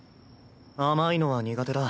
甘いのは苦手だ。